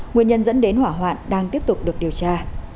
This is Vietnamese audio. nguyên nhân dẫn đến hỏa hoạn đang tiếp tục được điều tra